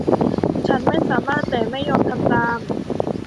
ฉันไม่สามารถแต่ไม่ยอมทำตาม